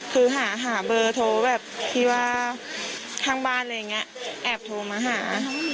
คือหาเบอร์โทรแบบคิดว่าทางบ้านแอบโทรมาหา